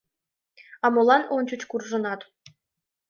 А молан ончыч куржынат?